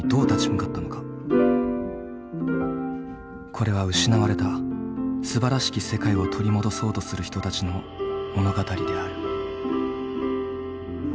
これは失われた素晴らしき世界を取り戻そうとする人たちの物語である。